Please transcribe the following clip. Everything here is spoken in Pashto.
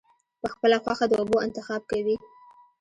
پۀ خپله خوښه د اوبو انتخاب کوي -